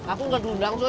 aku nggak diundang soe